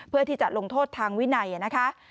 เพื่อที่จะลงโทษทางวินัยนะคะ